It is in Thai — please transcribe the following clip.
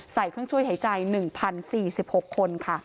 ใส่เครื่องช่วยหายใจ๑๐๔๖คนค่ะ